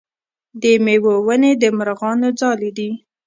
د میوو ونې د مرغانو ځالې دي.